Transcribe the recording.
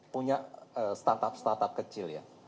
punya startup startup kecil ya